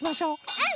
うん！